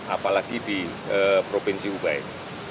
apalagi di provinsi ubaik